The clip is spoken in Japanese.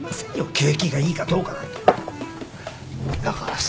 景気がいいかどうかなんてだからさ